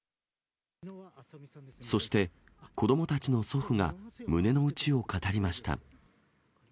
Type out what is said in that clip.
そして、子どもたちの祖父が胸のうちを語りました。